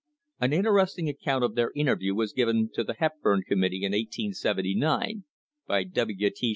An interesting account of their interview was given to the Hepburn Committee in 1879 by W. T.